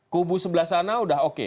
kubu sebelah sana udah oke